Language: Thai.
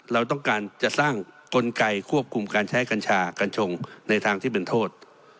เราต้องการจะสร้างกลไกควบคุมการใช้กัญชากัญชงในทางที่เป็นโทษ